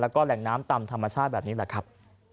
แล้วก็แหล่งน้ำตามธรรมชาติแบบนี้แหละครับ